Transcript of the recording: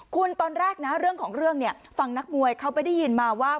คุณตอนแรกนะเรื่องของเรื่องเนี่ยฝั่งนักมวยเขาไปได้ยินมาว่า